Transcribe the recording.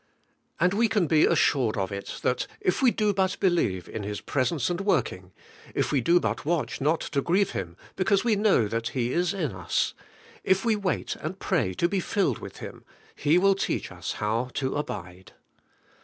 And we can be assured of it, that if we do but believe in His presence and working, if we do but watch not to grieve Him, because we know that He is in us, if we wait and pray to be filled with Him, He will teach us how to abide.